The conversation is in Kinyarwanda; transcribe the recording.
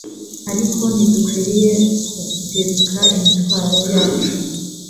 Ariko ntidukwiriye kugereka imitwaro yacu